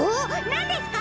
なんですか？